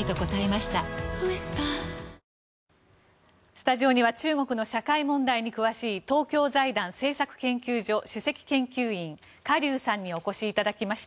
スタジオには中国の社会問題に詳しい東京財団政策研究所主席研究員カ・リュウさんにお越しいただきました。